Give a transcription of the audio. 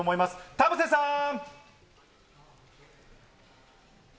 田臥さん。